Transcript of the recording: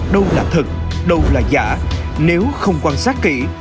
đâu là thật đâu là giả nếu không quan sát kỹ